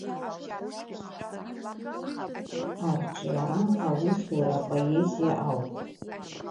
Арҿиара, аусура, апоезиа ауп.